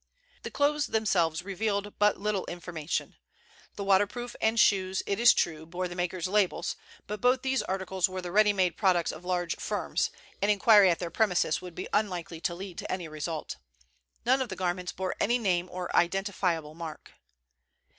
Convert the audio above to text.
The clothes themselves revealed but little information. The waterproof and shoes, it is true, bore the makers' labels, but both these articles were the ready made products of large firms, and inquiry at their premises would be unlikely to lead to any result. None of the garments bore any name or identifiable mark.